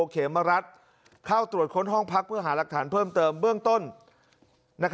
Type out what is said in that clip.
เขมรัฐเข้าตรวจค้นห้องพักเพื่อหาหลักฐานเพิ่มเติมเบื้องต้น